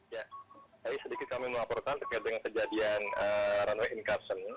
ya tadi sedikit kami melaporkan terkait dengan kejadian runway in carsen